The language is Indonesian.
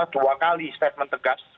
dua kali statement tegas